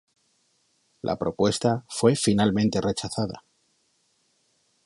La propuesta fue finalmente rechazada.